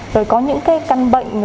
rồi có những cái căn bệnh